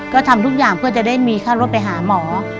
ก็ทำทุกอย่างเพื่อจะได้มีค่ารถไปหาหมอ